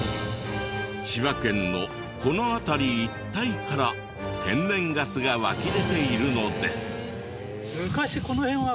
千葉県のこの辺り一帯から天然ガスが湧き出ているのです。